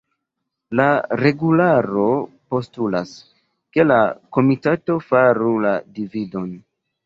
la regularo postulas, ke la komitato faru la dividon.